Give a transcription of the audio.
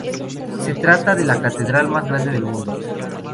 Se trata de la catedral más grande del mundo.